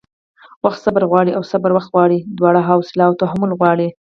وخت صبر غواړي او صبر وخت غواړي؛ دواړه حوصله او تحمل غواړي